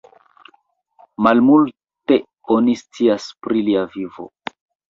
Malmulte oni scias pri lia vivo.